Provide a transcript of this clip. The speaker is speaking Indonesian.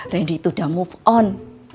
randy tuh udah move on